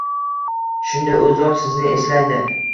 Shunda U Zot sizni eslaydi.